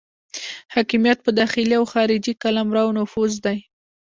حاکمیت په داخلي او خارجي قلمرو نفوذ دی.